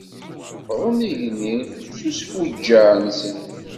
Wwḍen igenni s usfuǧǧeɛ-nsen.